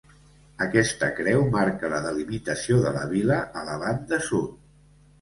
Aquesta creu marca la delimitació de la vila a la banda sud.